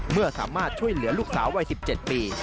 เมื่อสามารถช่วยเหลือลูกสาววัย๑๗ปี